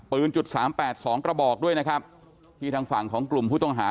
จุดสามแปดสองกระบอกด้วยนะครับที่ทางฝั่งของกลุ่มผู้ต้องหา